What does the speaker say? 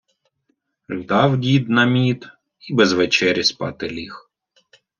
Ждав дід на мід і без вечері спати ліг.